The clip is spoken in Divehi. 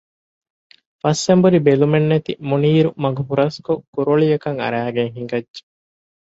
ފަސްއެނބުރި ބެލުމެއް ނެތި މުނީރު މަގު ހުރަސްކޮށް ކުރޮޅިއަކަށް އަރައިގެން ހިނގައްޖެ